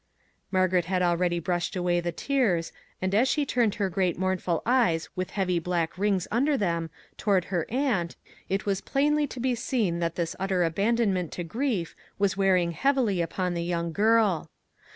Margaret had already brushed away the tears, and as she turned her great mournful eyes with heavy black rings under them toward her aunt, it was plainly to be seen that this utter abandonment to grief was wearing heavily upon the young girl.